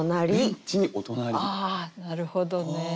ああなるほどね。